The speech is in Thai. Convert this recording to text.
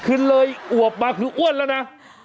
คือเลยอวบมาคืออ้วนแล้วนะ